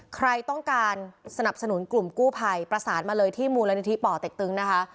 ใครต้องการสนับสนุนกลุ่มกู้ภัยประสานมาเลยที่มูลนิธิป่อเต็กตึงนะคะ